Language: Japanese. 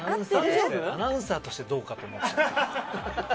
アナウンサーとしてどうかと思っちゃう。